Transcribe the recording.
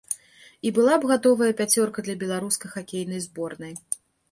І была б гатовая пяцёрка для беларускай хакейная зборнай.